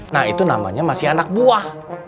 nah itu namanya masih anak buah